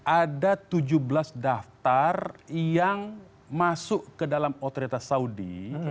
ada tujuh belas daftar yang masuk ke dalam otoritas saudi